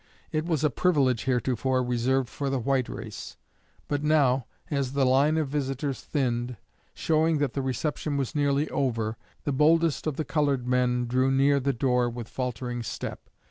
It was a privilege heretofore reserved for the white race; but now, as the line of visitors thinned, showing that the reception was nearly over, the boldest of the colored men drew near the door with faltering step.